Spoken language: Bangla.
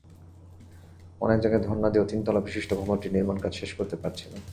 অনেক জায়গায় ধরনা দিয়েও তিনতলাবিশিষ্ট ভবনটির নির্মাণকাজ শেষ করতে পারছি না।